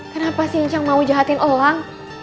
kenapa sih incang mau jahatin elang